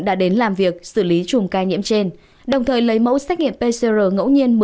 đã đến làm việc xử lý chùm ca nhiễm trên đồng thời lấy mẫu xác nghiệm pcr ngẫu nhiên